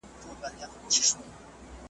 يوه ورځ سره غونډيږي .